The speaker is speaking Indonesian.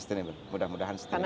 sustainable mudah mudahan sustainable